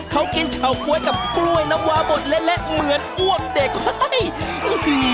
เขากินเฉาก๊วยกับกล้วยน้ำวาบดเละเหมือนอ้วกเด็กเฮ้ย